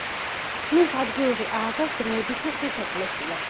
მის ადგილზე ააგეს დროებითი ხის ეკლესია.